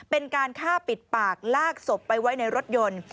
เป็นการฆ่าปิดปากลากศพไปไว้ในรถยนต์